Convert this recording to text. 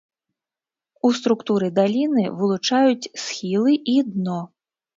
У структуры даліны вылучаюць схілы і дно.